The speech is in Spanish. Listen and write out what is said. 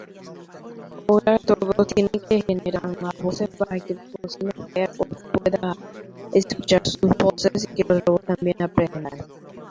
Crece en suelos arcillosos y volcánicos, generalmente formando grupos puros en comunidades abiertas.